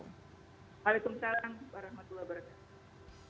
waalaikumsalam warahmatullah wabarakatuh